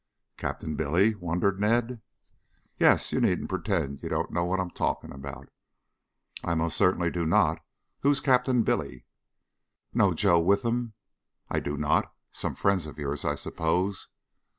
"Captain Billy?" wondered Ned. "Yes. You needn't pretend you don't know what I'm talking about." "I most certainly do not. Who is Captain Billy?" "Know Joe Withem?" "I do not. Some friend of yours, I suppose?"